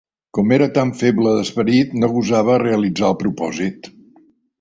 Com era tan feble d'esperit, no gosava a realitzar el propòsit